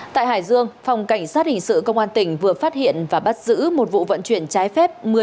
tại hải dương phòng cảnh sát hình sự công an tỉnh vừa phát hiện và bắt giữ một vụ vận chuyển trái phép